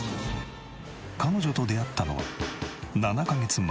彼女と出会ったのは７カ月前。